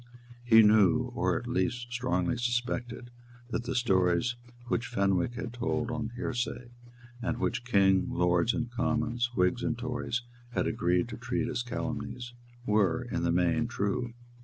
He knew, or at least strongly suspected, that the stories which Fenwick had told on hearsay, and which King, Lords and Commons, Whigs and Tories, had agreed to treat as calumnies, were, in the main, true.